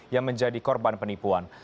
yang menjadi korban penipuan